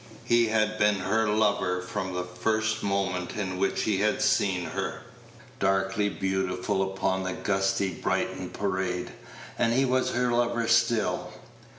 He had been her lover from the first moment in which he had seen her, darkly beautiful, upon the gusty Brighton Parade, and he was her lover still.